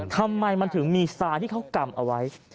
ทำไมมันถึงมีทรายที่เขากำเอาไว้